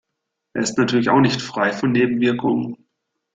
Es ist natürlich auch nicht frei von Nebenwirkungen.